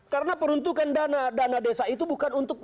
karena peruntukan dana desa itu bukan untuk